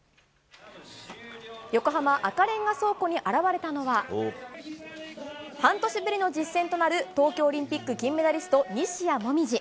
横浜・赤レンガ倉庫に現れたのは、半年ぶりの実戦となる、東京オリンピック金メダリスト、西矢椛。